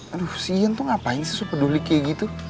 aduh si ian tuh ngapain sih super duly kayak gitu